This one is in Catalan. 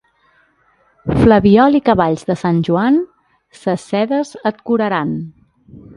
Flabiol i cavalls de Sant Joan, ses sedes et curaran.